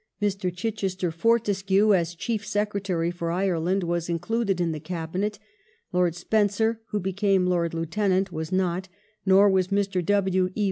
Mr. Chichester Fortescue, as Chief Secretary for Ireland, was included in the Cabinet ; Lord Spencer, who became Lord Lieutenant, was not, nor was Mr. W. E.